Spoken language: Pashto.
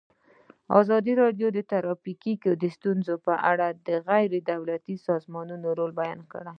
ازادي راډیو د ټرافیکي ستونزې په اړه د غیر دولتي سازمانونو رول بیان کړی.